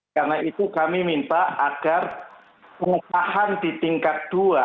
karena itu kami minta agar pengupahan di tingkat dua